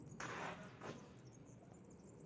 د سپټمبر پر دریمه عمومي پاڅون پیل شو.